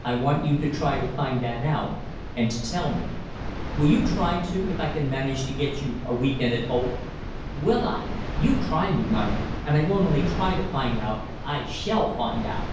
I want you to try to find that out, and to tell me. Will you try to if I can manage to get you a week end at Holt?" "Will I? You try me, Mike. And I won't only try to find out I shall find out."